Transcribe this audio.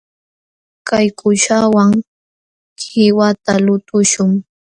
Kay kuuśhawan qiwata lutuśhun.